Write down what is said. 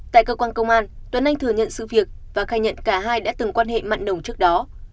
tại cơ quan công an tuấn anh thừa nhận sự việc và khai nhận cả hai đã từng quan hệ mặn đồng trước đó